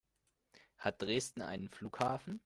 Hat Dresden einen Flughafen?